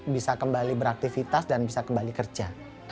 bisa kembali beraktivitas dan bisa kembali kerja